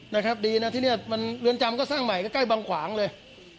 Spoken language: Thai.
นะครับดีนะที่นี่มันเรือนจำก็สร้างใหม่ใกล้บางขวางเลย